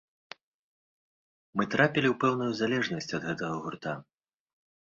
Мы трапілі ў пэўную залежнасць ад гэтага гурта.